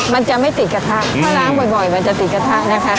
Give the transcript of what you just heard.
มันจะไม่ติดกระทะถ้าล้างบ่อยมันจะติดกระทะนะคะ